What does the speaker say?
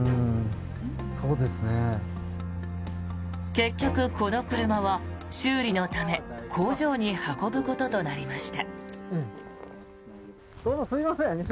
結局この車は、修理のため工場に運ぶこととなりました。